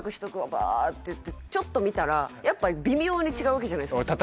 バーッてちょっと見たらやっぱ微妙に違うわけじゃないですかうわ！